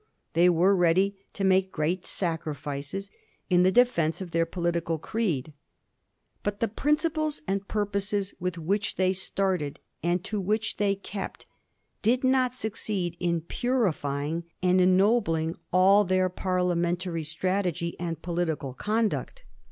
They were ready to make great sacrifices in the defence of their political creed. But the principles and purposes with which they started, and to which they kept, did not succeed in purifying and ennobling all their parlia mentary strategy and political conduct.